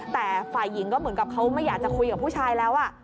แต่ฝ่ายหญิงก็เหมือนกับเขาไม่อยากจะคุยกับผู้ชายแล้ว